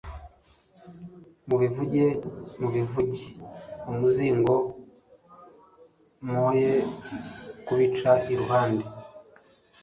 mubivuge mubivuye imuzingo, mwoye kubica iruhande